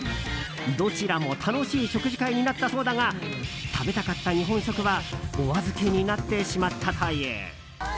どちらも楽しい食事会になったそうだが食べたかった日本食はお預けになってしまったという。